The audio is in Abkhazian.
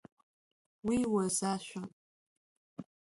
Уи уаз ашәан.